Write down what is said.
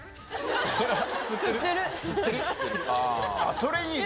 それいいね。